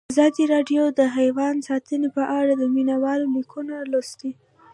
ازادي راډیو د حیوان ساتنه په اړه د مینه والو لیکونه لوستي.